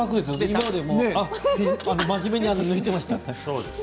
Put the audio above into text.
今まで真面目に抜いていますから。